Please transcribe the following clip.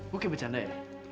lo kayak bercanda ya